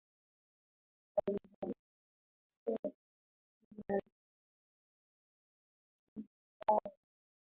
Alijaribu kupekua tena na tena lakini hakukuwa na majina hayo